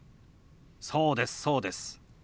そうですそうです。